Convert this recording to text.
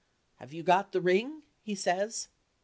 "Have you got the ring?" he says.